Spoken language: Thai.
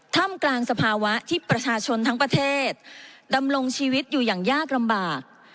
ถ้ำกลางสภาวะที่ประชาชนทั้งประเทศดำรงชีวิตอยู่อย่างยากลำบาก